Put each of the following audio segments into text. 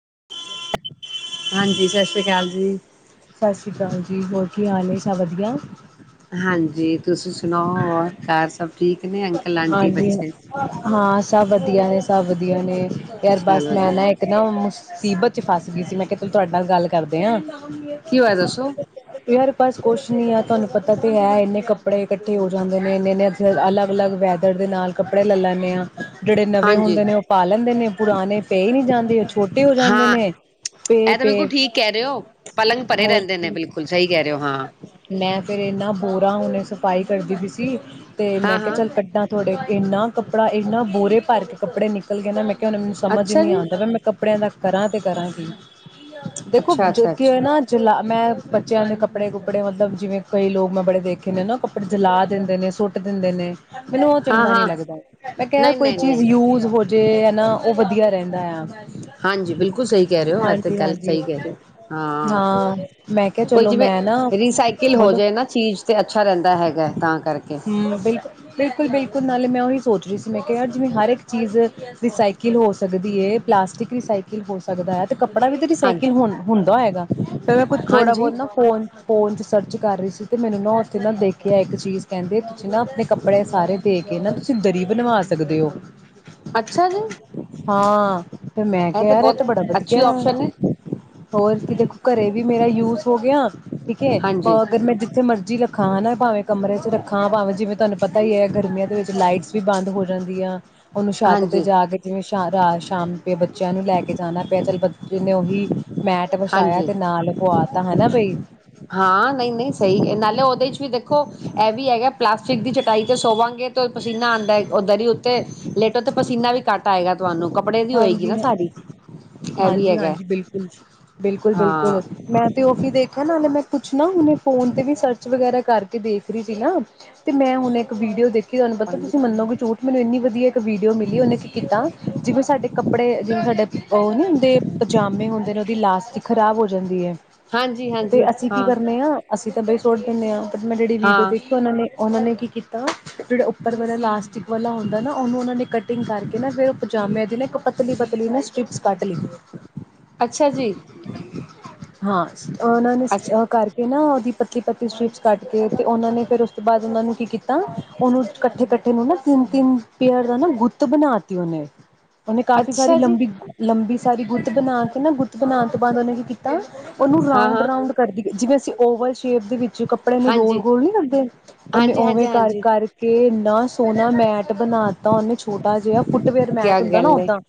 [unintelligible] ਹਾਂਜੀ ਸਤਿ ਸ੍ਰੀ ਅਕਾਲ ਜੀ। ਸਤਿ ਸ੍ਰੀ ਅਕਾਲ ਜੀ, ਹੋਰ ਕੀ ਹਾਲ ਏ? ਸਭ ਵਧੀਆ। ਜੀ ਤੁਸੀਂ ਸੁਣਾਓ ਔਰ ਕਾਰ ਸਭ ਠੀਕ ਨੇੰ ਹਾਂਜੀ, ਹਾਂ ਸਭ ਵਧੀਆ ਨੇ। ਸਭ ਵਧੀਆ ਨੇ। ਖੈਰ ਬਸ ਚਲੋ ਜੀ ਮੈਂ ਨਾ ਇੱਕ ਨਾ ਮੁਸੀਬਤ ਚ ਫਸ ਗਈ ਸੀ ਮੈਂ ਕਿਹਾ ਤੂੰ ਤੁਹਾਡੇ ਨਾਲ ਗੱਲ ਕਰਦੇ ਹਾਂ ਕੀ ਹੋਇਆ ਦੱਸੋ ਯਾਰ ਪਾਸ ਕੁਛ ਨੀ ਆ ਤੁਹਾਨੂੰ ਪਤਾ ਤੇ ਹੈ ਇੰਨੇ ਕੱਪੜੇ ਇਕੱਠੇ ਹੋ ਜਾਂਦੇ ਨੇ। ਇੰਨੇ-ਇੰਨੇ ਅਲੱਗ-ਅਲੱਗ ਵੈ ਵੈਦਰ ਦੇ ਨਾਲ ਕੱਪੜੇ ਲਲੈਨੇ ਹਾਂ। ਜਿਹੜੇ ਨਵੇਂ ਹਾਂਜੀ ਹੁੰਦੇ ਨੇ ਉਹ ਪਾ ਲੈਂਦੇ ਨੇ, ਪੁਰਾਣੇ ਪਏ ਨਹੀਂ ਜਾਂਦੇ ਉਹ ਛੋਟੇ ਹੋ ਜਾਂਦੇ ਹਾਂ ਨੇ, ਇਹ ਤਾਂ ਪੇ-ਪੇ। ਬਿਲਕੁਲ ਠੀਕ ਕਹਿ ਰਹੇ ਹੋ ਪਲੰਗ ਭਰੇ ਹੋਰ ਰਹਿੰਦੇ ਨੇ ਕੀ, ਬਿਲਕੁਲ ਸਹੀ ਕਹਿ ਰਹੇ ਹੋ ਹਾਂ ਮੈਂ ਫਿਰ ਇਨਾ ਬੋਰਾ ਹਣੇ ਸਫਾਈ ਕਰਦੀ ਪਈ ਸੀ, ਤੇ ਹਾਂ ਮੈਂ ਕਿਹਾ ਹਾਂ ਚੱਲ ਕੱਢਾਂ ਇੰਨਾ ਕੱਪੜਾ ਇੰਨਾ ਬੋਰੇ ਭਰ ਕੇ ਕੱਪੜੇ ਨਿਕਲ ਗਏ ਨਾ ਮੈਂ ਮੈਨੂੰ ਸਮਝ ਹੀ ਅੱਛਾ ਨਹੀਂ ਜੀ ਆਉਂਦਾ ਮੈਂ ਕੱਪੜਿਆਂ ਦਾ ਕਰਾਂ ਤੇ ਕਰਾਂਗੀ। ਦੇਖੋ ਅੱਛਾ ਅੱਛਾ [unintelligible] ਕਿ ਅੱਛਾ ਨਾ ਜਲਾ ਮੈਂ ਬੱਚਿਆਂ ਦੇ ਕੱਪੜੇ-ਕੁੱਪੜੇ ਮਤਲਬ ਜਿਵੇਂ ਕਈ ਲੋਕ ਮੈਂ ਬੜੇ ਦੇਖੇ ਨੇ ਨਾ ਕੱਪੜੇ ਜਲਾ ਦਿੰਦੇ ਨੇ ਸੁੱਟ ਦਿੰਦੇ ਨੇ। ਮੈਨੂੰ ਹਾਂ ਚੰਗਾ ਨੀ ਹਾਂ ਲੱਗਦਾ ਮੈਂ ਕਿਹਾਹਿ ਨਹੀਂ ਕੋਈ ਨਹੀਂ ਚੀਜ਼ ਨਹੀਂ ਯੂਜ ਹੋ ਜੇਹ। ਹੇਨਾ ਉਹ ਵਧੀਆ ਰਹਿੰਦਾ ਆ। ਹਾਂਜੀ ਬਿਲਕੁਲ ਸਹੀ ਕਹਿ ਰਹੇ ਹੋ ਤੇ ਹਾਂਜੀ ਗੱਲ ਹਾਂਜੀ ਸਹੀ ਕਹਿ ਰਹੇ ਹੋ ਹਾਂ ਮੈਂ ਕਿਹਾ ਕੋਈ ਚਲੋ ਜਿਵੇਂ ਮੈਂ ਨਾ ਰੀਸਾਈਕਲ ਹੋ ਬੋਲੋ ਜਾ ਨਾ ਚੀਜ਼ ਤੇ ਅੱਛਾ ਰਹਿੰਦਾ ਹੈਗਾ ਤਾਂ ਕਰਕੇ। ਹਮ ਬਿਲਕੁਲ ਬਿਲਕੁਲ ਬਿਲਕੁਲ ਨਾਲੇ ਮੈਂ ਉਹੀ ਸੋਚ ਰਹੀ ਸੀ ਮੈਂ ਕਿਹਾ ਯਾਰ ਜਿਵੇਂ ਹਰ ਇੱਕ ਚੀਜ਼ ਰੀਸਾਈਕਲ ਹੋ ਸਕਦੀ ਹੈ ਪਲਾਸਟਿਕ ਰੀਸਾਈਕਲ ਹੋ ਸਕਦਾ ਹੈ ਤੇ ਕੱਪੜਾ ਵੀ ਤਾਂ ਰਸਾਈਕਲ ਹਾਂਜੀ ਹੁੰਦਾ ਹੈਏਗਾ ਫੇਰ ਮੈਂ ਕੁਛ ਥੋੜਾ ਹਾਂਜੀ ਬਹੁਤ ਨਾ ਫੋ ਫੋਨ ਚ ਸਰਚ ਕਰ ਰਹੀ ਸੀ ਤੇ ਮੈਨੂੰ ਨਾ ਉੱਥੇ ਨਾ ਦੇਖਿਆ ਇੱਕ ਚੀਜ਼ ਕਹਿੰਦੇ ਤੁਸੀਂ ਨਾ ਆਪਣੇ ਕੱਪੜੇ ਸਾਰੇ ਦੇ ਕੇ ਨਾ ਤੁਸੀ ਦਰੀ ਬਣਵਾ ਸਕਦੇ ਔ। ਅੱਛਾ ਜੀ ਹਾਂ ਫਿਰ ਮੈਂ ਇਹ ਕਿਆ ਏਰਾ ਬਹੁਤ ਤੇ ਬੜਾ ਅੱਛੀ ਵਧੀਐ, ਓਪਸ਼ਨ ਹੈ ਹੋਰ ਕੀ ਦੇਖੋ ਘਰੇ ਵੀ ਮੇਰਾ ਯੂਜ ਹੋ ਗਿਆ ਠੀਕ ਐ ਹਾਂਜੀ ਔਰ ਦਿਨ ਮੈਂ ਜਿੱਥੇ ਮਰਜ਼ੀ ਰੱ ਖਾਂ ਨਾ ਭਾਵੇਂ ਕਮਰੇ ਚ ਰੱਖਾ, ਭਾਵੇਂ ਜਿਵੇਂ ਤੁਆਨੂੰ ਪਤਾ ਈ ਐ ਵੀ ਬੰਦ ਹੋ ਜਾਂਦੀ ਆ ਉਹਨੂੰ ਛੱਤ ਤੇ ਹਾਂਜੀ ਜਾ ਕੇ ਜਿਵੇਂ ਸ਼ਾ ਰਾ ਸ਼ਾਮ ਪੇ ਬੱਚਿਆਂ ਨੂੰ ਲੈ ਕੇ ਜਾਣਾ ਪੈਦਲ [unintelligible] ਨੇ ਔ ਹੂੰ। ਮੈਟ ਵਛਾਇਆ ਹਾਂਜੀ ਤੇ ਨਾਲ ਪਵਾ ਤਾਂ ਹੈਨਾ ਬਈ। ਹਾਂ ਨਈ-ਨਈ ਸਈ ਏ ਨਾਲੇ ਉਹਦੇ ਚ ਵੀ ਦੇਖੋ ਇਹ ਵੀ ਹੈਗੈ ਪਲਾਸਟਿਕ ਦੀ ਚਟਾਈ ਤੇ ਸੋਵਾਂਗੇ ਤੋਂ ਪਸੀਨਾ ਆਂਦਾ ਏ ਔ ਦਰੀ ਉੱਤੇ ਲੇਟੋ ਤੇ ਪਸੀਨਾ ਵੀ ਘੱਟ ਆਏਗਾ। ਤੁਹਾਨੂੰ ਕੱਪੜੇ ਦੀ ਹੋਏਗੀ ਹਾਂਜੀ ਨਾ ਹ, ਸਾੜੀ ਇਹ ਵੀ ਹੈਗਾ ਹਾਂਜੀ-ਹਾਂਜੀ ਬਿਲਕੁਲ, ਬਿਲਕੁਲ-ਬਿਲਕੁਲ ਹਾਂ ਮੈਂ ਤੇ ਉਹ ਫੀ ਦੇਖਾ ਨਾ ਮੈਨੂੰ ਪੁੱਛਣਾ ਹੁਨੇ ਫੋਨ ਤੇ ਵੀ ਸਰਚ ਵਗੈਰਾ ਕਰਕੇ ਦੇਖ ਰਹੀ ਸੀ ਨਾ ਤੇ ਮੈਂ ਹੁਣ ਇੱਕ ਵੀਡੀਓ ਦੇਖੀ ਔਨੂੰ ਪਤੈ ਤੁਸੀ ਮੰਨੋਗੇ ਝੂਠ ਮੈਨੂੰ ਇੰਨੀ ਵ ਵੀਡੀਓ ਮਿਲੀ ਉਹਨੇ ਕੀ ਕੀਤਾ ਸਾਡੇ ਕੱਪੜੇ ਜਿਵੇਂ ਸਾਡੇ ਔ ਨੀ ਹੁੰਦੇ ਪਜਾਮੇ ਹੁੰਦੇ ਨੇ ਉਹਦੀ ਲਾਸਟਿਕ ਖ਼ਰਾਬ ਹੋ ਜਾਂਦੀ ਏ ਹਾਂਜੀ ਤੇ ਹਾਂਜੀ ਅਸੀਂ ਕੀ ਹਾਂ ਕਰਨੇ ਆਂ, ਅਸੀਂ ਤਾਂ ਬਈ ਸੁੱਟ ਦਿੰਨੇ ਆਂ ਬਟ ਮੈਂ ਜਿਹੜੀ ਵੀਡੀਓ ਹਾਂ ਦੇਖੀ ਉਹਨਾਂ ਨੇ ਉਹਨਾਂ ਨੇ ਕੀ ਕੀਤਾ ਜਿਹੜਾ ਉੱਪਰ ਵਾਲਾ ਇਲਾਸਟਿਕ ਵਾਲਾ ਹੁੰਦੈ ਨਾ ਉਹਨੂੰ ਉਹਨਾਂ ਨੇ ਕਟਿੰਗ ਕਰਕੇ ਨਾ ਫਿਰ ਪਜਾਮਿਆਂ ਦੀ ਨਾ ਇੱਕ ਪਤਲੀ-ਪਤਲੀ ਨਾ ਸਟ੍ਰਿਪਸ ਕੱਟ ਲੀ ਅੱਛਾ ਜੀ ਹਾਂ। ਉਹਨਾਂ ਨੇ ਅੱਛਾ ਅ ਕਰਕੇ ਨਾ ਪਤਲੀ-ਪਤਲੀ ਸਟ੍ਰਿਪਸ ਕੱਟ ਕੇ ਤੇ ਉਹਨਾਂ ਨੇ ਫੇਰ ਉਸ ਤੋਂ ਬਾਅਦ ਉਹਨਾਂ ਨੂੰ ਕੀ ਕੀਤਾ ਉਹਨੂੰ ਕੱਠੇ-ਕੱਠੇ ਨੂੰ ਨਾ ਤਿੰਨ-ਤਿੰਨ ਪੇਅਰ ਦਾ ਨਾ ਗੁੱਤ ਬਣਾ ਤੀ ਔਨੇ। ਉਹਨੇ ਕਾਫੀ ਸਾਰੀ ਅੱਛਾ ਜੀ ਲੰਬੀ, ਲੰਬੀ ਸਾਰੀ ਗੁੱਤ ਬਣਾ ਕੇ ਨਾ, ਗੁੱਤ ਬਣਾ ਬਨ ਔਨੇ [unintelligible] ਤਾਂ ਔਨੂੰ ਹਾਂ ਹਾਂ ਰਾਊਂਡ-ਰਾਉਂਡ ਕਰਦੀ ਗਈ ਜਿਵੇਂ ਅਸੀ ਓਵਲ ਸ਼ੇਪ ਦੇ ਵਿੱਚ ਜੋ ਕੱਪੜੇ ਨੂੰ ਰੋਲ ਹਾਂਜੀ ਗੋਲ ਨੀ ਕਰਦੇ। ਉਹਨੇ ਹਾਂਜੀ ਹਾਂਜੀ ਉਵੇਂ ਕਰ ਹਾਂਜੀ ਕਰਕੇ ਇੰਨਾ ਸੋਹਣਾ ਮੈਟ ਬਣਾਤਾ ਉਹਨੇ ਛੋਟਾ ਜਿਹਾ ਫੁੱਟਵੇਅਰ ਕਿਆ ਮੈਟ ਨਾ ਗੱਲ ਹੈ ਓਦਾਂ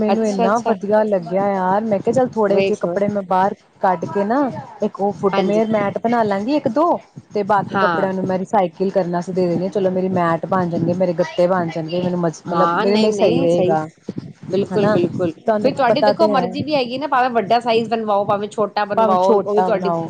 ਮੈਨੂੰ ਅੱਛਾ ਇੰਨਾ ਅੱਛਾ ਵਧੀਆ ਲੱਗਿਆ। ਯਾਰ ਮੈਂ ਕਿ ਚੱਲ ਥੋੜੇ ਜਿਹੇ ਵੇਖ ਲੋ ਕੱਪੜੇ ਮੈਂ ਬਾਹਰ ਕੱਢ ਕੇ ਨਾ ਇੱਕ ਉਹ ਹਾਂਜੀ ਫੁੱਟਵਿਅਰ ਮੈਟ ਬਣਾ ਲਾਂਗੀ ਇੱਕ ਇੱਕ ਦੋ ਤੇ ਬਾਕੀ ਹਾਂ ਕੱਪੜਿਆਂ ਨੂੰ ਮੈਂ ਰਿਸਾਈਕਲ ਕਰਨਾ ਦੇਣੀ ਹਾਂ ਚਲੋ ਮੇਰੀ ਮੈਟ ਬਣ ਚੰਗੇ ਮੇਰੇ ਗੱਤੇ ਬਣ [unintelligible] ਨਹੀਂ ਸਹੀ। ਬਿਲਕੁਲ ਹਨਾ ਬਿਲਕੁਲ। ਤੁਹਾਨੂੰ ਫਿਰ ਤੁਹਾਡੀ ਪਤਾ ਦੇਖੋ ਤੇ ਹੈ ਮਰਜ਼ੀ ਵੀ ਹੈਗੀ ਨਾ ਭਾਵੇਂ ਵੱਡਾ ਸਾਈਜ਼ ਬਣਵਾਓ ਭਾਵੇਂ ਛੋਟ ਛੋਟਾ ਭਾਵੇਂ ਬਣਵਾਓ ਉਹ ਵੀ, ਛੋਟਾ ਤੁਹਾਡੀ ਬਣਾਓ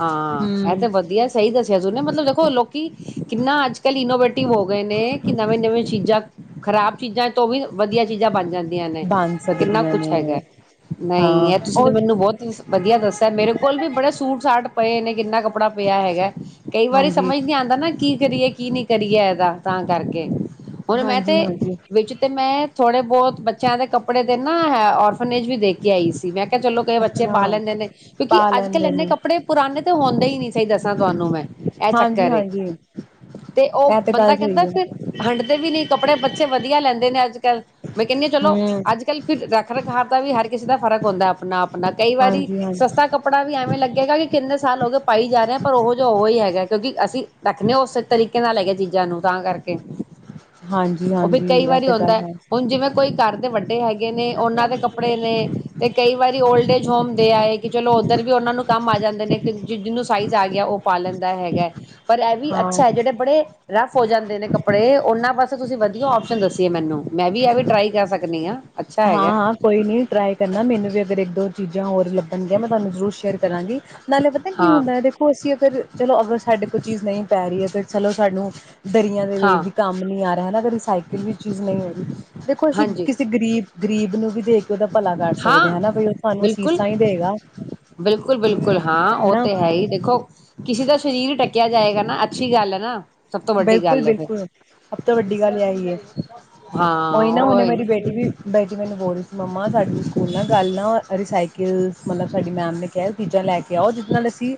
ਹਾਂ ਇਹ ਹਮ ਤੇ ਵਧੀਆ ਸਹੀ ਦੱਸਿਆ ਤੂਹੀ ਨਾ। ਮਤਲਬ ਦੇਖੋ ਲੋਕੀ ਕਿੰਨਾ ਅੱਜ ਕੱਲ੍ਹ ਇਨੋਵੇਟਿਵ ਹੋ ਗਏ ਨੇ ਕਿ ਨਵੇਂ ਨਵੇਂ ਚੀਜ਼ਾਂ ਖ਼ਰਾਬ ਚੀਜ਼ਾਂ ਤੋਂ ਵੀ ਵਧੀਆ ਚੀਜ਼ਾਂ ਬਣ ਜਾਂਦੀਆਂ ਨੇ। ਬਣ ਕਿੰਨਾ ਸਕਦੀਆਂ ਕੁਛ ਨੇ ਹੈਗਾ ਹਾਂ ਨਹੀਂ ਹੈ। ਤੁਸੀਂ ਉਹ ਤਾਂ ਮੈਨੂੰ ਬਹੁਤ ਵਧੀਆ ਦੱਸਿਆ ਮੇਰੇ ਕੋਲ ਵੀ ਬੜੇ ਸੂਟ ਸਾਟ ਪਏ ਨੇ ਕਿੰਨਾ ਕੱਪੜਾ ਪਿਆ ਹੈਗਾ। ਕਈ ਵਾਰੀ ਹਾਂਜੀ ਸਮਝ ਨੀ ਆਉਂਦਾ ਨਾ ਕੀ ਕਰੀਏ। ਕੀ ਨੀ ਕਰੀਏ ਇਹਦਾ ਤਾਂ ਕਰਕੇ ਹੁਣ ਮੈਂ ਹਾਂਜੀ ਤੇ ਹਾਂਜੀ ਵਿੱਚ ਤੇ ਮੈਂ ਥੋੜ੍ਹੇ ਬਹੁਤ ਬੱਚਿਆਂ ਦੇ ਕੱਪੜੇ ਤੇ ਨਾ ਹੈ ਔਰਫਨੇਜ ਵੀ ਦੇ ਕੇ ਆਈ ਸੀ। ਮੈਂ ਕਿਹਾ ਚਲੋ ਕਈ ਬੱਚੇ ਪਾ ਅੱਛਾ ਲੈਂਦੇ ਨੇ। ਕਿਉਂਕਿ ਪਾ ਅੱਜ ਕੱਲ੍ਹ ਲੈਂਦੇ ਇੰਨੇ ਨੇ ਕੱਪੜੇ ਪੁਰਾਣੇ ਤੇ ਹੁੰਦੇ ਹੀ ਨਹੀ। [inaudible] ਸ ਦੱਸਾ ਤੁਹਾਨੂੰ ਮੈਂ, ਇਹ ਹਾਂਜੀ ਚੱਕਰ ਏ ਹਾਂਜੀ ਤੇ ਉਹ ਇਹ ਬੰਦਾ ਗੱਲ ਕਹਿੰਦਾ ਸਹੀ ਹੈ ਫਿਰ ਹੰਡਦੇ ਵੀ ਨਹੀਂ। ਕੱਪੜੇ ਬ ਬੱਚੇ ਵਧੀਆ ਲੈਂਦੇ ਨੇ ਅੱਜ ਕੱਲ। ਮੈਂ ਕਹਿੰਦੀ ਹਾਂ ਚਲੋ ਹਮ ਅੱਜ ਕੱਲ੍ਹ ਫਿਰ ਰੱਖ ਰਖਾਵ ਦਾ ਵੀ ਹਰ ਕਿਸੇ ਦਾ ਫ਼ਰਕ ਹੁੰਦਾ ਆਪਣਾ ਆਪਣਾ। ਕਈ ਵਾਰੀ ਹਾਂਜੀ ਹਾਂਜੀ ਸਸਤਾ ਕੱਪੜਾ ਵੀ ਐਵੇਂ ਲੱਗੇਗਾ ਕਿ ਕਿੰਨੇ ਸਾਲ ਹੋ ਗਏ ਪਾਈ ਜਾ ਰਹੇ ਪਰ ਉਹ ਜੈ ਉਹ ਹੀ ਹੈਗਾ ਕਿਉਂਕਿ ਅਸੀਂ ਰੱਖਦੇ ਹਾਂ ਉਸ ਤਰੀਕੇ। ਨਾਲ ਲੈ ਗਿਆ ਚੀਜ਼ਾਂ ਨੂੰ ਤਾਂ ਕਰਕੇ। ਹਾਂਜੀ ਉਹ ਵੀ ਹਾਂਜੀ ਕਈ ਇਹ ਵਾਰੀ ਤਾਂ ਗੱਲ ਆਉਂਦਾ ਹੈ ਹੁਣ ਜਿਵੇਂ ਕੋਈ ਘਰ ਦੇ ਵੱਡੇ ਹੈਗੇ। ਗੇ ਨੇ ਉਹਨਾਂ ਦੇ ਕੱਪੜੇ ਨੇ ਤੇ ਕਈ ਵਾਰੀ ਓਲਡ ਏਜ ਹੋਮ ਦੇ ਆਏ ਕਿ ਚਲੋ ਉੱਧਰ ਵੀ ਉਹਨਾਂ ਨੂੰ ਕੰਮ ਆ ਜਾਂਦੇ ਨੇ। ਜਿਹਨੂੰ ਸਾਈਜ਼ ਆ ਗਿਆ ਉਹ ਪਾ ਲੈਂਦਾ ਹੈਗਾ। ਪਰ ਇਹ ਵੀ ਹਾਂ ਅੱਛਾ ਹੈ ਜਿਹੜੇ ਬੜੇ ਰਫ ਹੋ ਜਾਂਦੇ ਨੇ ਕੱਪੜੇ ਉਹਨਾਂ ਬਸ ਤੁਸੀਂ ਵਧੀਆ ਓਪਸ਼ਨ ਦੱਸੀ ਏ ਮੈਨੂੰ। ਮੈਂ ਵੀ ਇਹ ਵੀ ਟਰਾਈ ਕਰ ਸਕਦੀ ਹਾਂ। ਅੱਛਾ ਹਾਂ ਹੈਗਾ ਹਾਂ ਕੋਈ ਨੀ ਟਰਾਈ ਕਰਨਾ ਮੈਨੂੰ ਵੀ ਅਗਰ ਇੱਕ ਦੋ ਚੀਜ਼ਾਂ ਹੋਰ ਲੱਭਣਗੀਆਂ ਮੈਂ ਤੁਹਾਨੂੰ ਜ਼ਰੂਰ ਸ਼ੇਅਰ ਕਰਾਂਗੀ। ਨਾਲੇ ਪਤਾ ਕੀ ਹਾਂ ਹੁੰਦਾ ਦੇਖੋ ਅਸੀਂ ਅਗਰ ਚਲੋ ਅਗਰ ਸਾਡੇ ਕੋਲ ਚੀਜ਼ ਨਹੀਂ ਪੈ ਰਹੀ ਹੈ ਤੇ ਚਲੋ ਸਾਨੂੰ ਦਰੀਆਂ ਦੇ ਹਾਂ ਵੀ ਕੰਮ ਨੀ ਆ ਰਿਹਾ ਇਸ ਸਾਈਕਲ ਵੀ ਚੀਜ਼ ਨਹੀਂ ਹੈਗੀ ਦੇਖੋ ਅਸੀਂ ਹਾਂਜੀ ਕਿਸੇ ਗਰੀਬ ਗਰੀਬ ਨੂੰ ਵੀ ਦੇ ਕੇ ਉਹਦਾ ਭਲਾ ਕਰ ਸਕਦੇ ਹਾਂ ਹਨਾ ਬਈ ਉਹ ਸਾਨੂੰ ਬਿਲਕੁਲ ਅਸੀਸਾਂ ਹੀ ਦੇਗਾ ਬਿਲਕੁਲ ਬਿਲਕੁਲ ਹਾਂ ਉਹ ਹਨਾ ਤੇ ਹੈ ਹੀ ਦੇਖੋ ਕਿਸੇ ਦਾ ਸਰੀਰ ਡਕਿਆ ਜਾਏਗਾ ਅੱਛੀ ਗੱਲ ਹੈ ਨਾ ਸਭ ਤੋਂ ਵੱਡੀ ਬਿਲਕੁਲ ਗੱਲ ਹੈ ਫਿਰ ਬਿਲਕੁਲ ਸਭ ਤੋਂ ਵੱਡੀ ਗੱਲ ਹੈ ਇਹੀ ਹੈ ਉਹੀ ਨਾ ਹੁਨੇ ਮੇਰੀ ਬੇਟੀ ਵੀ ਬੇਟੀ ਮੈਨੂੰ ਬੋ ਰਹੀ ਸੀ ਮੰਮਾ ਸਾਡੀ ਵੀ ਸਕੂਲ ਨਾ ਗੱਲ ਨਾ ਰਿਸਾਈਕਲ ਬੋਲ ਰਹੀ ਸੀ ਕਿ ਮੱਮਾ ਸਾਡੇ ਸਕੂਲ ਨਾ ਕੱਲ ਨਾਂ ਮਤਲਬ ਸਾਡੀ ਮੈਮ ਨੇ ਕਿਹਾ ਉਹ ਚੀਜ਼ਾਂ ਲੈ ਕੇ ਆਓ ਜਿਸ ਨਾਲ ਅਸੀਂ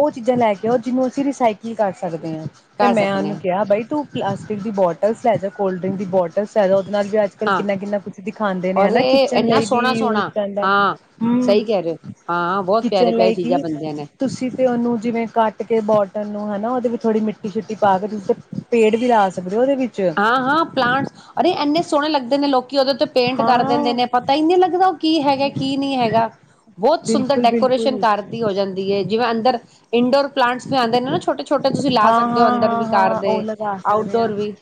ਉਹ ਚੀਜ਼ਾਂ ਲੈ ਕੇ ਆਓ ਜਿਹਨੂੰ ਅਸੀਂ ਰਸਾਈਕਲ ਕਰ ਸਕਦੇ ਹਾਂ ਤੇ ਕਰ ਮੈਂ ਸਕਨੇ ਉਹਨੂੰ ਕਿਹਾ ਬਾਈ ਤੂੰ ਪਲੱਸ ਫਰਿਜ਼ ਦੀ ਬੋਟਲਸ ਲੈ ਜਾ ਕੋਲਡ ਡਿੰਕ ਦੀ ਬੋਟਲਸ ਹੈ ਉਹਦੇ ਨਾਲ ਵੀ ਅੱਜ ਕਲ ਹਾਂ ਕਿੰਨਾ ਕਿੰਨਾ ਕੁਛ ਦਿਖਾਦੇ ਨੇ ਔਰ ਹਨ ਇਹ ਕਿਚਨ ਇੰਨਾ ਲਈ ਵੀ ਸੋਹਣਾ ਯੂਜ ਸੋਹਣਾ ਪਦਾ ਹਾਂ ਹਮ ਸਹੀ ਕਹਿ ਰਹੇ ਹੋ ਹਾਂ ਬਹੁਤ ਪਿਆਰੇ ਕਿਚਨ ਪਿਆਰੀ ਲਈ ਚੀਜ਼ਾਂ ਕੀ ਬਣਦੀਆਂ ਨੇ ਤੁਸੀਂ ਤੇ ਉਹਨੂੰ ਜਿਵੇਂ ਕਟ ਕੇ ਬੋਟਲ ਨੂੰ ਹਨਾ ਉਹਦੇ ਵਿੱਚ ਥੋੜ੍ਹੀ ਮਿੱਟੀ ਮਿੱਟੀ ਪਾ ਕੇ ਤੁਸੀਂ ਪੇੜ ਵੀ ਲਾ ਸਕਦੇ ਹੋ ਉਹਦੇ ਵਿੱਚ ਹਾਂ ਹਾਂ ਪਲਾਂਟਸ ਅਰੇ ਇੰਨੇ ਸੋਹਣੇ ਲੱਗਦੇ ਨੇ ਲੋਕੀ ਉਹਦੇ ਤੇ ਪੇਂਟ ਕਰ ਦਿੰਦੇ ਹਾਂ ਨੇ ਪਤਾ ਹੀ ਨ ਨਹੀਂ ਲੱਗਦਾ ਉਹ ਕੀ ਹੈਗਾ ਕੀ ਨਹੀਂ ਹੈਗਾ ਬਹੁਤ ਸੁੰਦਰ ਡੈਕੋਰੇਸ਼ਨ ਬਿਲਕੁਲ-ਬਿਲਕੁਲ ਘਰ ਦੀ ਹੋ ਜਾਂਦੀ ਹੈ ਜਿਵੇਂ ਅੰਦਰ ਇੰਡੋਰ ਪਲਾਂਟਸ ਵੀ ਆਉਂਦੇ ਨੇ ਨਾ ਛੋਟੇ ਛੋਟਾ ਤੁਸੀਂ ਲਾ ਸਕਦੇ ਹੋ ਹਾਂ-ਹਾਂ, ਅੰਦਰ ਵੀ ਘਰ ਦੇ ਆਊਟਡੋਰ ਵੀ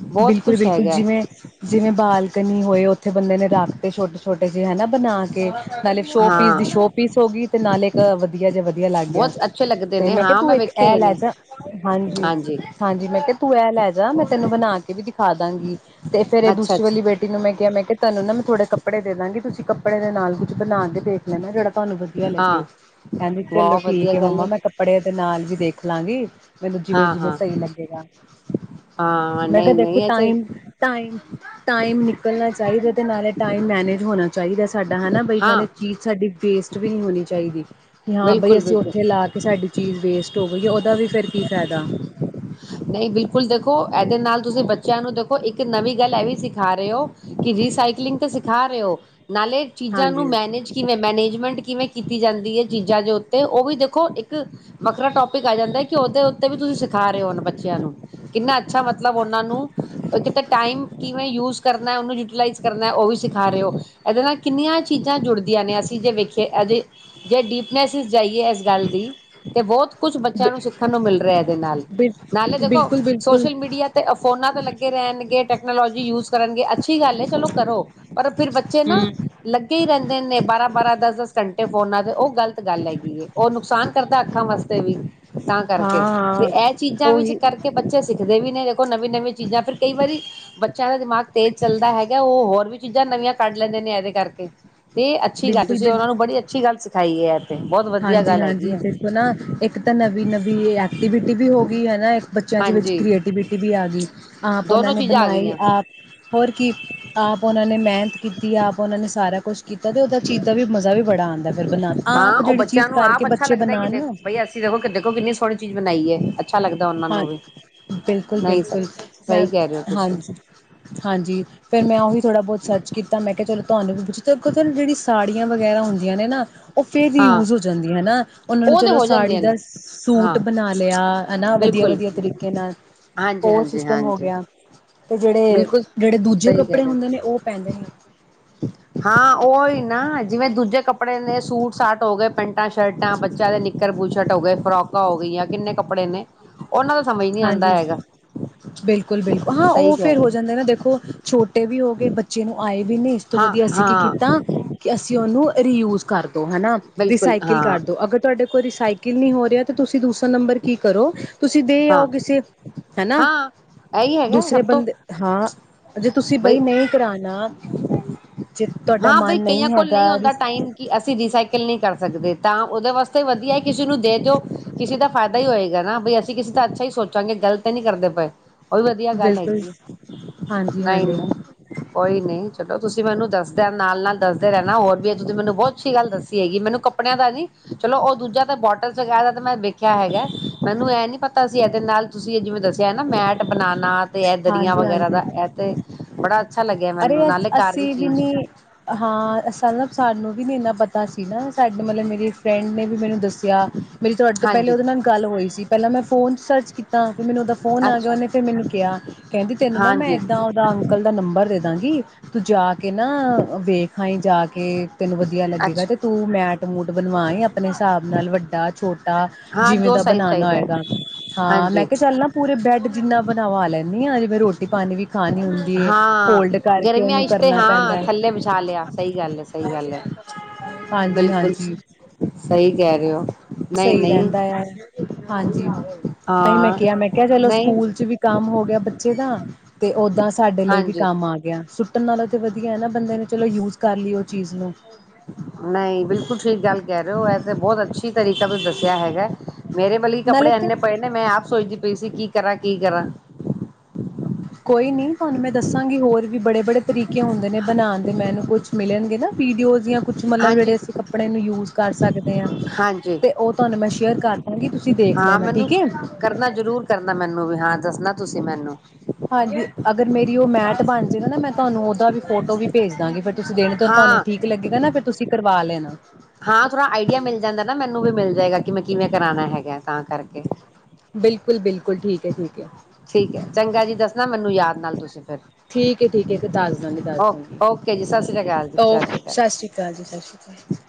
ਬਹੁਤ ਬਿਲਕੁਲ ਕੁਛ ਬਿਲਕੁਲ ਹੈਗਾ ਜਿਵੇਂ ਜਿਵੇਂ ਬਾਲਕਨੀ ਹੋਏ ਉੱਥੇ ਬੰਦੇ ਨੇ ਰੱਖ ਕੇ ਛੋਟੇ ਛੋਟੇ ਜਹੇ ਹਨਾ ਬਣਾ ਕੇ ਨਾਲੇ ਸ਼ੋਪੀਸ ਹਾਂ ਦੀ ਸ਼ੋਅਪੀਸ ਹੋ ਗਈ ਤੇ ਨਾਲ ਇੱਕ ਵਧੀਆ ਜੇ ਵਧੀਆ ਵਧੀਆ ਲੱਗ ਗਿਆ ਬਹੁਤ ਅੱਛੇ ਲੱਗਦੇ ਤੇ ਨੇ ਮੈਂ ਕਿਹਾ ਹਾਂ ਤੂੰ ਇੱਕ ਇਹ ਵੇਖੇ ਲੈ ਨੇ ਜ ਹਾਂਜੀ ਹਾਂਜੀ ਮੈਂ ਕੇਹਾ ਤੂੰ ਐ ਲੈ ਜਾ ਮੈਂ ਤੈਨੂੰ ਬਣਾ ਕੇ ਵੀ ਦਿਖਾ ਦਾਂਗੀ ਤੇ ਫੇਰ ਇਹ ਅੱਛਾ ਦੂਸਰੇ ਵਾਲੀ ਅੱਛਾ ਬੇਟੀ ਨੂੰ ਮੈਂ ਕਿਹਾ ਮੈਂ ਕਿਹਾ ਤੁਹਾਨੂੰ ਨਾ ਮੈਂ ਥੋੜ੍ਹੇ ਕੱਪੜੇ ਦੇ ਦਾਗੀ ਤੁਸੀਂ ਕੱਪੜੇ ਦੇ ਨਾਲ ਕੁਝ ਬਣਾ ਕ ਦੇਖ ਲੈਣਾ ਜਿਹੜਾ ਤੁਹਾਨੂੰ ਵਧੀਆ ਲੱਗੇ ਹਾਂ ਕਹਿੰਦੀ ਚਲੋ ਬਹੁਤ ਵਧੀਆ ਠੀਕ ਹੈ ਗੱਲ ਮੰਮਾ ਮੈਂ ਕੱਪੜੇ ਦੇ ਨਾਲ ਵੀ ਦੇਖ ਲਾਂਗੀ ਮੈਨੂੰ ਜਿਵੇਂ ਹਾਂ ਜਿਵੇਂ ਹਾਂ ਸਹੀ ਲੱਗੇਗਾ ਹਾਂ ਮੈਂ ਕਿਹਾ ਨਹੀਂ ਦੇਖੋ ਨਹੀਂ ਇਹ ਤਾਂ ਟਾਈਮ ਟਾਈਮ ਟਾਈਮ ਨਿਕਲਣਾ ਚਾਹੀਦਾ ਤੇ ਨਾਲੇ ਟਾਈਮ ਮੈਨੇਜ ਹੋਣਾ ਚਾਹੀਦਾ। ਸਾਡਾ ਹੈਨਾ ਬਈ ਹਾਂ ਨਾਲੇ ਚੀਜ਼ ਸਾਡੀ ਪੇਸਟ ਤੇ ਵੀ ਨਹੀਂ ਹੋਣੀ ਚਾਹੀਦੀ। ਕਿ ਹਾਂ ਬਈ ਬਿਲਕੁਲ ਅਸੀਂ ਬਿਲਕੁਲ ਉੱਥੇ ਲਾ ਕੇ ਸਾਡੀ ਚੀਜ਼ ਵੇਸਟ ਹੋ ਗਈ ਹੈ ਉਹਦਾ ਵੀ ਕੀ ਫੈਦਾ। [unintelligible] ਨਹੀਂ ਬਿਲਕੁਲ ਦੇਖੋ ਇਹਦੇ ਨਾਲ ਤੁਸੀਂ ਬੱਚਿਆਂ ਨੂੰ ਦੇਖੋ ਇੱਕ ਨਵੀਂ ਗੱਲ ਇਹ ਵੀ ਸਿਖਾ ਰਹੇ ਹੋ ਕਿ ਰੀਸਕਲਿੰਗ ਤੁਸੀ ਖਾ ਰੇ ਔ ਨਾਲੇ ਚੀਜ਼ਾਂ ਹਾਂਜੀ ਨੂੰ ਮੈਨੇਜ ਕਿਵੇਂ, ਮੈਨੇਜਮੈਂਟ ਕਿਵੇਂ ਕੀਤੀ ਜਾਂਦੀ ਹੈ ਚੀਜ਼ਾਂ ਦੇ ਉੱਤੇ ਉਹ ਵੀ ਦੇਖੋ ਇੱਕ ਵੱਖਰਾ ਟੋਪਿਕ ਆ ਜਾਂਦਾ ਕਿ ਉਹਦੇ ਉੱਤੇ ਵੀ ਤੁਸੀਂ ਸਿਖਾ ਰਹੇ ਹੋ ਬ ਬੱਚਿਆਂ ਨੂੰ ਕਿੰਨਾ ਅੱਛਾ ਮਤਲਬ ਉਹਨਾਂ ਨੂੰ ਕਿਤੇ ਟਾਈਮ ਕਿਵੇਂ ਯੂਜ ਕਰਨਾ ਉਹਨੂੰ ਯੂਟੀਲਾਈਜ਼ ਕਰਨਾ ਉਹ ਵੀ ਸਿਖਾ ਰਹੇ ਹੋ ਇਹਦੇ ਨਾਲ ਕਿੰਨੀਆਂ ਚੀਜ਼ਾਂ ਤਾਂ ਜੁੜਦੀਆਂ ਨੇ ਅਸੀਂ ਜੇ ਵੇਖੀਏ ਐਦੇ ਜੇ ਡੀਪਨੈਸ ਇਜ਼ ਜਾਈ ਏ ਇਸ ਗੱਲ ਦੀ, ਤੇ ਬਹੁਤ ਕੁਛ ਬ ਬੱਚਿਆਂ ਨੂੰ ਸਿੱਖਣ ਨੂੰ ਮਿਲ ਰਿਹਾ ਇਹਦੇ ਨਾਲ। ਬਿਲ ਨਾਲੇ ਦੇਖੋ ਬਿਲਕੁਲ ਬਿਲਕੁਲ ਸੋਸ਼ਲ ਮੀਡੀਆ ਤੇ ਫੋਨਾਂ ਤੇ ਲੱਗੇ ਰਹਿਣਗੇ ਟੈਕਨੋਲੋਜੀ ਯੂਜ ਕਰਨਗੇ, ਅੱਛੀ ਗੱਲ ਹੈ ਚਲੋ ਕਰੋ ਪਰ ਫਿਰ ਬੱਚੇ ਨਾ ਹਮ ਲੱਗੇ ਹੀ ਰਹਿੰਦੇ ਦਿਨੇ ਬਾਰਾਂ-ਬਾਰਾਂ ਦਸ-ਦਸ ਘੰਟੇ ਫੋਨਾਂ ਤੇ ਉਹ ਗ਼ਲਤ ਗੱਲ ਹੈਗੀ ਉਹ ਨੁਕਸਾਨ ਕਰਦਾ ਅੱਖਾਂ ਵਾਸਤੇ ਵੀ। ਤਾਂ ਕਰਕੇ ਹਾਂ ਤੇ ਹਾਂ ਇਹ ਜਾ ਵਿੱਚ ਉਹੀ ਕਰਕੇ ਪੱਚੀਸ ਸਿੱਖਦੇ ਵੀ ਨੇ ਦੇਖੋ ਨਵੀਂ ਨਵੀਂ ਚੀਜ਼ਾਂ ਫਿਰ ਕਈ ਵਾਰੀ ਬੱਚਿਆਂ ਦਾ ਦਿਮਾਗ ਤੇਜ਼ ਚੱਲਦਾ ਹੈਗਾ ਉਹ ਹੋਰ ਵੀ ਚੀਜ਼ਾਂ ਨਵੀਆਂ ਕੱਢ ਲੈਂਦੇ ਨੇ ਇਹਦੇ ਕਰਕੇ। ਤੇ ਅੱਛੀ ਗੱਲ ਬਿਲਕੁਲ ਤੁਸੀਂ ਉਹਨਾਂ ਬਿਲਕੁਲ ਨੂੰ ਬੜੀ ਅੱਛੀ ਗੱਲ ਸੀ ਖਾਈ ਆ। ਹਾਂਜੀ-ਹਾਂਜੀ ਦੇਖੋ ਨਾ ਇੱਕ ਤਾਂ ਨਵੀਂ-ਨਵੀਂ ਐਕਟੀਵਿਟੀ ਵੀ ਹੋ ਗ ਬੀ ਹੈਨਾ ਇੱਕ ਬੱਚਿਆਂ ਦੇ ਵਿੱਚ ਹਾਂਜੀ ਕ੍ਰੀਏਟੀਵਿਟੀ ਵੀ ਆ ਗਈ ਆਪ ਉਹਨਾਂ ਦੋਨੋ ਨੇ ਚੀਜ਼ਾਂ ਆ ਬਣਾਈ ਗਈਆਂ ਆਪ ਹੋਰ ਕੀ ਆਪ ਉਹਨਾਂ ਨੇ ਮੇਹਨਤ ਕੀਤੀ ਆਪ ਉਹਨਾਂ ਨੇ ਸਾਰਾ ਕੁਛ ਕੀਤਾ ਤੇ ਉਹਦਾ ਚੀਜ਼ ਦਾ ਵੀ ਮਜ਼ਾ ਵੀ ਬੜਾ ਆਉਂਦਾ ਫਿਰ ਬਣਾ ਕੇ, ਆਪ ਹਾਂ ਉਹ ਜਿਹੜੀ ਚੀਜ਼ ਬੱਚਿਆਂ ਨੂੰ ਕਰਕੇ ਆਪ ਅੱਛਾ ਬੱਚੇ ਲੱਗਦਾ ਕਿ ਬਣਾਣ ਦੇਖ ਨਾ ਬਈ ਅਸੀਂ ਦੇਖੋ ਕਿ ਦੇਖੋ ਕਿੰਨੀ ਸੋਹਣੀ ਚੀਜ਼ ਬਣਾਈ ਐ ਹਾਂ ਬਿਲਕੁਲ ਨਹੀਂ ਸ ਬਿਲਕੁਲ ਮੈਂ ਸਹੀ ਕਹਿ ਰਹੇ ਹੋ ਤੁਸੀਂ ਹਾਂਜੀ ਹਾਂਜੀ ਫਿਰ ਮੈਂ ਉਹੀ ਥੋੜ੍ਹਾ ਬਹੁਤ ਸਰਚ ਕੀਤਾ ਮੈਂ ਕਿਹਾ ਚਲੋ ਤੁਹਾਨੂੰ ਵੀ ਪੁੱਛ ਜਿਹੜੀ ਸਾੜੀਆਂ ਵਗੈਰਾ ਹੁੰਦੀਆਂ ਨੇ ਨਾ ਉਹ ਫੇਰ ਹੀ ਹਾਂ ਯੂਜ ਹੋ ਜਾਂਦੀ ਐ ਹਨਾ। ਉਹਨਾਂ ਨੂੰ ਉਹ ਤੇ ਚਲੋ ਹੋ ਸਾੜੀ ਜਾਂਦੀਆਂ ਦਾ ਨੇ ਸੂਟ ਹਾਂ ਬਣਾ ਲਿਆ ਹਨਾ। ਬਿਲਕੁਲ ਵਧੀਆ-ਵਧੀਆ, ਤਰੀਕੇ ਨਾਲ ਹਾਂਜੀ ਉਹ ਹਾਂਜੀ ਸਿਸਟਮ ਹੋ ਹਾਂਜੀ ਗਿਆ। ਤੇ ਬਿਲਕੁਲ ਜਿਹੜੇ-ਜਿਹੜੇ ਦੂਜੇ ਸਹੀ ਕਹਿ ਕੱਪੜੇ ਰਹੇ, ਹੁੰਦੇ ਨੇ ਉਹ ਪੈਂਦੇ ਨੇ ਹਾਂ ਉਹੀ ਨਾ ਜਿਵੇਂ ਦੂਜੇ ਕੱਪੜੇ ਨੇ ਸੂਟ ਸਾਟ ਹੋ ਗਏ ਪੈਂਟਾਂ ਸ਼ਰਟਾਂ ਬੱਚਿਆਂ ਦੇ ਨਿੱਕਰ ਪੂਸ਼ਰਟ ਹੋ ਗਏ ਫਰੋਕਾਂ ਹੋ ਗਈਆਂ ਕਿੰਨੇ ਕੱਪੜੇ ਨੇ ਉਹਨਾਂ ਦਾ ਸਮਝ ਨਹੀਂ ਆਉਂਦਾ ਹਾਂਜੀ ਹੈਗਾ ਬਿਲਕੁਲ-ਬਿਲਕੁਲ, ਹਾਂ ਸਹੀ ਉਹ ਕਹਿ ਫੇਰ ਹੋ ਰਹੇ ਜਾਂਦਾ ਨਾ ਦੇਖੋ। ਛੋਟ ਟੇ ਵੀ ਹੋ ਗਏ ਬੱਚੇ ਨੂੰ ਆਏ। ਵੀ ਨੀ ਇਸ ਤੋਂ ਹਾਂ ਵਧੀਆ ਅਸੀਂ ਕੀ ਹਾਂ ਕੀਤਾ ਕਿ ਅਸੀਂ ਉਹਨੂੰ ਰੀਯੂਜ਼ ਕਰ ਹਨਾ ਬਿਲਕੁਲ ਰਿਸਾਈਕਲ ਹਾਂ ਕਰਦੋ ਅਗਰ ਤੁਹਾਡੇ ਕੋਲ ਰਿਸਾਈਕਲ ਨਹੀਂ ਹੋ ਰਿਹਾ। ਤੇ ਤੁਸੀਂ ਦੂਸਰਾ ਨੰਬਰ ਕੀ ਕਰੋ ਤੁਸੀਂ ਦੇ ਹਾਂ ਆਓ, ਕਿਸੇ ਹਨਾ ਹਾਂ ਇਹੀ ਹੈਗਾ ਦੂਸਰੇ ਸਭ ਤੋਂ ਬੰਦੇ ਹਾਂ ਜੇ ਤੁਸੀਂ ਬਈ ਨਹੀਂ ਕਰਾਣਾ [inaudible] ਹਾਂ, ਬਈ ਮਨ ਕਈਆਂ ਕੋਲ ਨਹੀਂ ਹੈਗਾ ਆਉਦਾ, ਟਾਈਮ ਕਿ ਅਸੀਂ ਰੀਸਾਈਕਲ ਨਹੀਂ ਕਰਦੇ। ਸਕਦੇ ਤਾਂ ਉਹਦੇ ਵਾਸ ਤੇ ਵਧੀਆ ਕਿਸੇ ਨੂੰ ਦੇ ਦਿਓ। ਕਿਸੇ ਦਾ ਫਾਇਦਾ ਹੀ ਹੋਏਗਾ, ਨਾ ਵੀ ਅਸੀਂ ਕਿਸੇ ਦਾ ਅੱਛਾ ਹੀ ਸੋਚਾਂਗੇ ਗਲਤ ਨੀ ਕਰਦੇ ਪਏ। ਉਹ ਵੀ ਵਧੀਆ ਗੱਲ ਬਿਲਕੁਲ ਹੈਗੀ ਹੈ, ਹਾਂਜੀ ਹਾਂਜੀ ਨਹੀਂ-ਨਹੀਂ, ਕੋਈ ਨਹੀਂ। ਚਲੋ ਤੁਸੀਂ ਮੈਨੂੰ ਦੱਸ ਨਾਲ ਦੱਸਦੇ ਰਹਿਣਾ ਹੋਰ ਵੀ ਹੈ, ਜੇ ਮੈਨੂੰ ਬਹੁਤ ਅੱਛੀ ਗੱਲ ਦੱਸੀ। ਹੈਗੀ ਮੈਨੂੰ ਕੱਪੜਿਆਂ ਦਾ ਨੀ ਚਲੋ, ਉਹ ਦੂਜਾ ਦਾ ਬੋਟਲ ਵਗੈਰਾ ਦਾ ਤੇ ਮੈਂ ਵੇਖਿਆ ਹੈਗਾ, ਮੈਨੂੰ ਇਹ ਨੀ ਪਤਾ ਸੀ ਇਹਦੇ ਨਾਲ ਤੁਸੀਂ ਜਿਵੇਂ ਦੱਸਿਆ ਨਾ ਮੈਟ ਬਣਾ ਨਾ ਤੇ ਇਹ ਦਰੀਆਂ ਹਾਂਜੀ ਵਗੈਰਾ ਦਾ ਹਾਂਜੀ ਇਹ ਤੇ ਬੜਾ ਅੱਛਾ ਲੱਗਿਆ, ਅਰੇ ਮੈਨੂੰ ਨਾਲੇ ਘਰ ਦੀ ਅਸੀਂ ਵੀ ਚੀਜ਼। ਨੀ ਹਾਂ, ਸਾ ਸਾਨੂੰ ਵੀ ਨੀ ਇੰਨਾ ਪਤਾ ਸੀ, ਨਾ ਸਾਡੇ ਮਤਲਬ ਮੇਰੀ ਫਰੈਂਡ ਨੇ ਵੀ ਮੈਨੂੰ ਦੱਸਿਆ। ਮੇਰੀ ਤੁਹਾਡੇ ਤੋਂ ਪਹਿਲੇ ਹਾਂਜੀ ਉਹਦੇ ਨਾਲ ਗੱਲ ਹੋਈ ਸੀ। ਪਹਿਲਾਂ ਮੈਂ ਫੋਨ ਚ ਸਰਚ ਕੀਤਾ। ਮੈਨੂੰ ਉਹਦਾ ਫੋਨ ਆ ਗਿਆ ਅੱਛਾ ਉਹਨੇ ਫੇਰ ਮੈਨੂੰ ਕਿਹਾ ਕਹਿੰਦੀ ਤੈਨੂੰ ਨਾ ਮੈਂ ਹਾਂਜੀ ਏਦਾਂ ਉਹਦਾ ਅੰਕਲ ਦਾ ਨੰਬਰ ਦਿੱਤਾ। ਤੂੰ ਜਾ ਕੇ, ਕੇ ਨਾ ਵੇਖ ਥਾਂ ਹੀ ਜਾ ਕੇ ਤੈਨੂੰ ਵਧੀਆ ਲੱਗੇਗਾ ਅੱਛਾ ਤੇ ਤੂੰ ਮੈਟ ਮੂਟ ਬਣਵਾਏ ਆਪਣੇ ਹਿਸਾਬ ਨਾਲ ਵੱਡਾ ਛੋਟਾ ਹਾਂ ਜਿਵੇਂ ਜੋ ਦਾ ਸਾਈਜ਼ ਬਣਾਉਣਾ ਚਾਹੀਦਾ ਹੋਏਗਾ ਹੈ, ਹਾਂ ਮੈਂ ਹਾਂਜੀ ਕਿਹਾ ਚੱਲ ਨਾ ਪੂਰੇ ਬੈੱਡ ਜਿੰਨਾ ਪਾ ਲੈਂਦੀ ਹਾਂ ਜੇ ਮੈਂ ਰੋਟੀ ਰਟੀ ਪਾਣੀ ਵੀ ਖਾਣੀੀ ਹੁੰਦੀ ਹਾਂ ਫੋਲਡ ਕਰਕੇ ਗਰਮੀਆਂ ਉਹਨੂੰ ਚ ਤੇ ਕਰਨਾ ਪੈਂਦਾ ਹਾਂ ਹੈ ਥੱਲੇ ਵਿਛਾ ਲਿਆ ਸਹੀ ਗੱਲ ਹੈ ਸਹੀ ਗੱਲ ਹੈ ਹਾਂਜੀ ਬਿਲਕੁਲ ਹਾਂਜੀ ਸਹੀ ਕਹਿ ਰਹੇ ਹੋ ਨਹੀਂ ਸਹੀ ਨਹੀਂ ਰਹਿੰਦਾ ਆ ਹਾਂਜੀ ਤਾਂਹੀ ਮੈਂ ਹਾਂ ਕਿਹਾ ਮੈਂ ਕਿਹਾ ਚਲੋ ਨਹੀਂ ਸਕੂਲ ਚ ਵੀ ਕੰਮ ਹੋ ਗਿਆ ਬੱਚੇ ਦਾ ਤੇ ਓਦਾਂ ਸਾਡੇ ਲਈ ਵੀ ਹਾਂਜੀ ਕੰਮ ਆ ਗਿਆੱ ਕੱਟਣ ਨਾਲਾ ਤਾਂ ਵਧੀਆ ਹੈ ਨਾ ਬੰਦੇ ਨੇ ਚਲੋ ਯੂਜ਼ ਕਰ ਲਈ ਉਹ ਚੀਜ਼ ਨੂੰ ਨਹੀਂ ਬਿਲਕੁਲ ਠੀਕ ਗੱਲ ਕਹਿ ਰਹੇ ਹੋ ਵੈਸੇ ਬਹੁਤ ਅੱਛੀ ਤਰੀਕਾ ਵੀ ਦੱਸਿਆ ਹੈਗਾ ਮੇਰੇ ਬਲ ਭੀ ਨਾਲੇ ਕੱਪੜੇ ਤੇ ਇੰਨੇ ਪਏ ਨੇ, ਮੈਂ ਆਪ ਸੋਚਦੀ ਪਈ ਸੀ ਕੀ ਕਰਾਂ ਕੀ ਕਰਾਂ। ਕੋਈ ਨੀ ਤੁਹਾਨੂੰ ਮੈਂ ਦੱਸਾਂਗੀ ਹੋਰ ਵੀ ਬੜੇ ਬੜੇ ਤਰੀਕੇ ਹੁੰਦੇ ਨੇ ਬਣਾਉਣ ਦੇ, ਮੈਨੂੰ ਕੁਛ ਮਿਲਣ ਵੀਡੀਓਜ਼ ਜਾਂ ਕੁਛ ਮਤਲਬ ਜਿਹੜੇ ਹਾਂਜੀ ਅਸੀਂ ਕੱਪੜੇ ਨੂੰ ਯੂਜ ਕਰ ਸਕਦੇ ਹਾਂ ਹਾਂਜੀ ਤੇ ਉਹ ਤੁਹਾਨੂੰ ਮੈਂ ਸ਼ੇਅਰ ਕਰ ਦਾਂਗੀ ਤੁਸੀਂ ਦੇਖ ਹਾਂ ਲੈਣਾ ਠੀਕ ਮੈਨੂੰ ਹੈ ਕਰਨਾ ਜ਼ਰੂਰ ਕਰਨਾ ਮੈਨੂੰ ਵੀ ਹਾਂ ਦੱਸਣਾ ਤੁਸੀਂ ਮੈਨੂੰ ਅਗਰ ਮੇਰੀ ਉਹ ਮੈਚ ਬਣ ਜਾਏਗਾ ਨਾ ਮੈਂ ਤੁਹਾਨੂੰ ਉਹਦਾ ਵੀ ਫੋਟੋ ਵੀ ਭੇਜ ਦਾਂਗੀ ਫਿਰ ਤੁਸੀਂ ਦੇਣੇ ਤੁਹਾਨੂੰ ਹਾਂ ਠੀਕ ਲੱਗੇਗਾ ਨਾ ਫਿਰ ਤੁਸੀਂ ਕਰਵਾ ਲੈਣਾ ਹਾਂ ਥੋੜਾ ਆਈਡੀਆ ਮਿਲ ਜਾਂਦਾ ਨਾ ਮੈਨੂੰ ਵੀ ਮਿਲ ਜਾਏਗਾ ਕਿ ਮੈਂ ਕਿਵੇਂ ਕਰਾਉਣਾ ਹੈਗਾ ਤਾਂ ਕਰਕੇ ਬਿਲਕ ਬਿਲਕਲ ੀ ੀਕ ਠੀਕ ਹੈ ਚੰਗਾ ਜੀ ਦੱਸਣਾ ਮੈਨੂੰ ਯਾਦ ਨਾਲ ਤੁਸੀਂ ਫਿਰ ਠੀਕ ਹੈ ਠੀਕ ਹੈ ਦੱਸ ਦਾਂਗੀ ਦੱਸ ਓਕੇ ਦਾਂਗੀ ਓਕੇ ਜੀ ਸਤਿ ਸ੍ਰੀ ਅਕਾਲ ਜੀ ਸਤਿ ਸ੍ਰੀ ਅਕਾਲ